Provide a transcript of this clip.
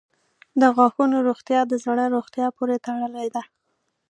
• د غاښونو روغتیا د زړه روغتیا پورې تړلې ده.